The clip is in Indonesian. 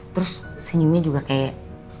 terus senyumnya juga kayak